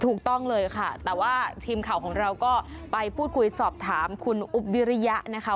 ถูกต้องเลยค่ะแต่ว่าทีมข่าวของเราก็ไปพูดคุยสอบถามคุณอุ๊บวิริยะนะคะ